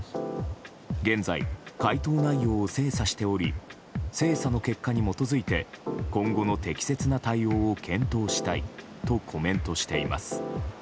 現在、回答内容を精査しており精査の結果に基づいて今後の適切な対応を検討したいとコメントしています。